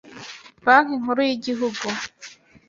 Banki Nkuru y Igihugu